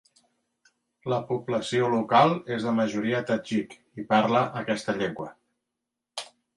La població local és de majoria tadjik i parla aquesta llengua.